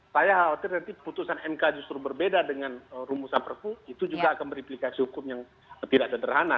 saya khawatir nanti putusan mk justru berbeda dengan rumusan perpu itu juga akan berimplikasi hukum yang tidak sederhana